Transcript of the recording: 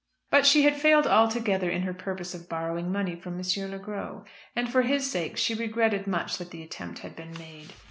But she had failed altogether in her purpose of borrowing money from M. Le Gros. And for his sake she regretted much that the attempt had been made.